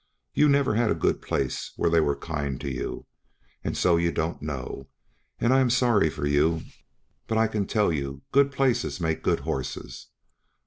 you never had a good place where they were kind to you, and so you don't know, and I am sorry for you; but I can tell you good places make good horses.